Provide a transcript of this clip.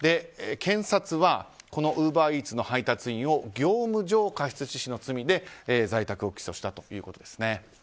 検察は、このウーバーイーツの配達員を業務上過失致死の罪で在宅起訴したということです。